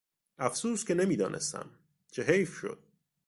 افسوس که نمیدانستم!، چه حیف شد!